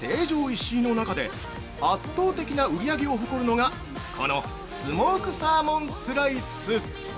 石井の中で圧倒的な売り上げを誇るのがこのスモークサーモンスライス。